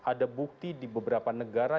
karena ada bukti di beberapa negara